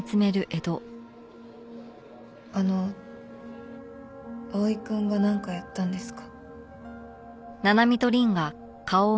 あの蒼くんがなんかやったんですか？